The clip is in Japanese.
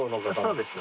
そうです。